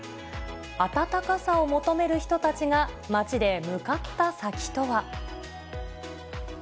温かさを求める人たちが、街で向かった先とは。